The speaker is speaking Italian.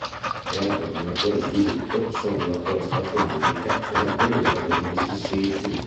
Le aree di maggiore sviluppo sono la costa atlantica e la pianura del Mississippi.